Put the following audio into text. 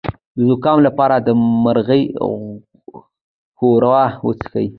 د زکام لپاره د مرغۍ ښوروا وڅښئ